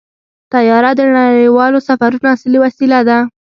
طیاره د نړیوالو سفرونو اصلي وسیله ده.